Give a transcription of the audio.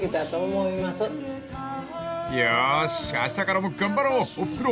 ［よーしあしたからも頑張ろうおふくろ